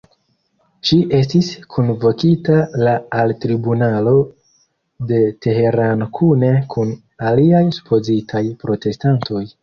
Ŝi estis kunvokita la al tribunalo de Teherano kune kun aliaj supozitaj protestantoj.